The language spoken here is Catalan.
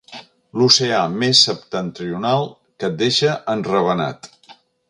L'oceà més septentrional, que et deixa enravenat.